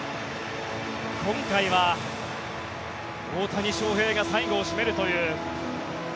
今回は大谷翔平が最後を締めるという。